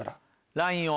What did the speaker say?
ラインを。